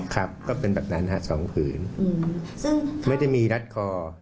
ครับก็เป็นแบบนั้น๒ผืนไม่ได้มีรัดคอ